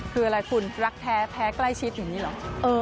คืออะไรคุณรักแท้ใกล้ชิดอย่างนี้เหรอ